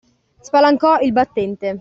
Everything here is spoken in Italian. Spalancò il battente.